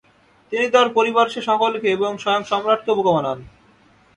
তিনি তার পরিপার্শ্বের সকলকে এবং স্বয়ং সম্রাটকেও বোকা বানান।